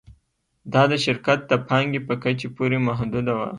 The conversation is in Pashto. دا د شرکت د پانګې په کچې پورې محدوده وه